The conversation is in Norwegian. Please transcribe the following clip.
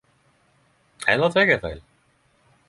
Eller tek eg feil?